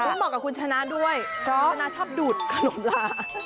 ลูกบอกกับคุณชนะร์ด้วยชนะร์ชอบดูดขนมลา